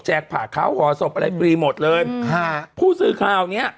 ผ่าเขาห่อศพอะไรฟรีหมดเลยค่ะผู้สื่อข่าวเนี้ย